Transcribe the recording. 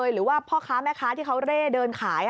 หรือว่าพ่อค้าแม่ค้าที่เขาเร่เดินขาย